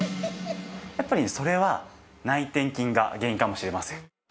やっぱりそれは内転筋が原因かもしれません。